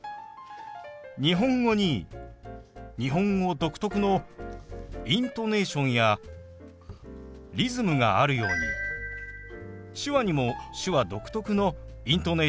日本語に日本語独特のイントネーションやリズムがあるように手話にも手話独特のイントネーションやリズムがあります。